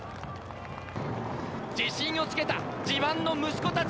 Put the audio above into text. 自信をつけた自慢の息子たち。